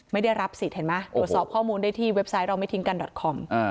ไม่ได้รับสิทธิ์เห็นไหมตรวจสอบข้อมูลได้ที่เว็บไซต์เราไม่ทิ้งกันดอตคอม